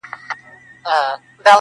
o خو هغې دغه ډالۍ.